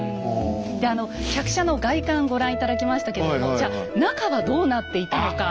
であの客車の外観ご覧頂きましたけどもじゃ中はどうなっていたのか。